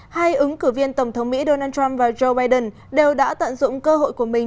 hai ứng cử viên tổng thống mỹ donald trump và joe biden đều đã tận dụng cơ hội của mình